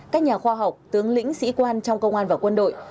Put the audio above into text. các nhà khoa học tướng lĩnh sĩ quan trong công an và quân đội